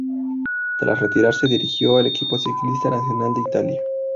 Tras retirarse, dirigió el Equipo Ciclista Nacional de Italia.